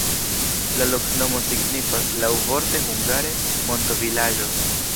La loknomo signifas laŭvorte hungare: monto-vilaĝo.